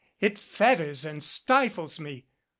It fetters and stifles me.